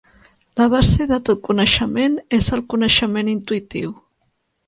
La base de tot coneixement és el coneixement intuïtiu.